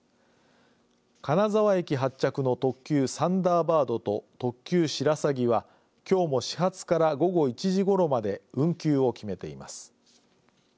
金沢駅発着の特急サンダーバードと特急しらさぎはきょうも始発から午後１時ごろまで運休を決めています。